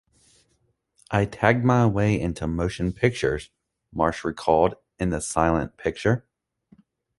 "I tagged my way into motion pictures," Marsh recalled in "The Silent Picture".